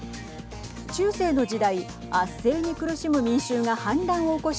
中世の時代、圧政に苦しむ民衆が反乱を起こし